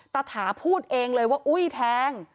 ถาพูดเองเลยว่าอุ้ยแทง